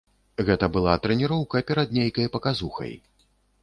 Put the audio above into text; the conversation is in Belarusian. Гэта была трэніроўка перад нейкай паказухай.